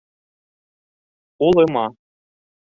Улыма.